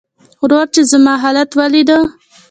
ورور چې زما حالت وليده .